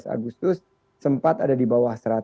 tujuh belas agustus sempat ada di bawah seratus